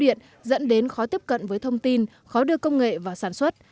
điện dẫn đến khó tiếp cận với thông tin khó đưa công nghệ vào sản xuất